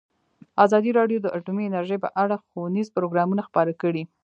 ازادي راډیو د اټومي انرژي په اړه ښوونیز پروګرامونه خپاره کړي.